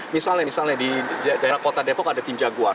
misalnya di daerah kota depok ada tim jaguar